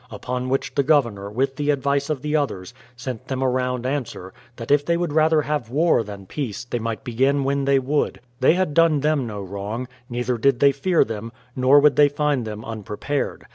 Upon which the Governor, with the advice of the others, 94 BRADFORD'S HISTORY OF sent them a round answer, that if they would rather have war than peace, they might begin when they would; they had done them no wrong, neither did they fear them, nor would they find them unprepared.